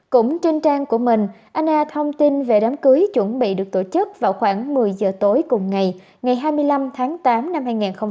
cũng trên trang của mình anh a thông tin về đám cưới chuẩn bị được tổ chức vào khoảng một mươi giờ tối cùng ngày ngày hai mươi năm tháng tám năm hai nghìn hai mươi ba